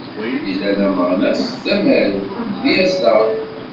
Yella d ameɣnas, d amaru, d amedyaz daɣen.